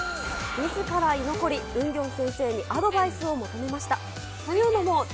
みずから居残り、ウンギョン先生にアドバイスを求めました。